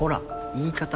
言い方。